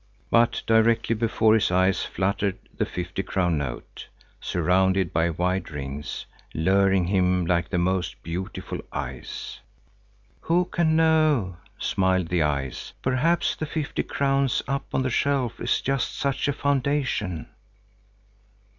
But directly before his eyes fluttered the fifty crown note, surrounded by wide rings, luring him like the most beautiful eyes. "Who can know," smiled the eyes, "perhaps the fifty crowns up on the shelf is just such a foundation?"